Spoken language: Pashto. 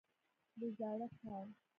د زاړه ښار.